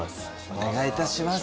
お願いいたします。